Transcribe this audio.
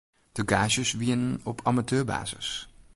De gaazjes wienen op amateurbasis.